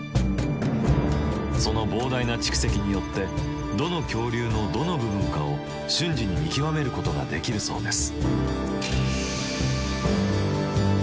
その膨大な蓄積によってどの恐竜のどの部分かを瞬時に見極めることができるそうです。